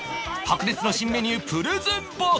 白熱の新メニュープレゼンバトル！